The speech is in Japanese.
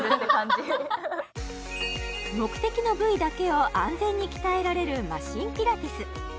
目的の部位だけを安全に鍛えられるマシンピラティス